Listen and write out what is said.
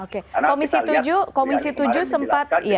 komisi tujuh sempat